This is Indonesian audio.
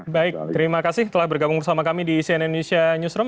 baik terima kasih telah bergabung bersama kami di cnn indonesia newsroom